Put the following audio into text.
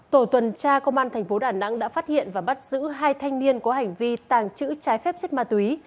tổ tuần tra công an thành phố đà nẵng đã phát hiện và bắt giữ hai thanh niên có hành vi tàng trữ trái phép chất ma túy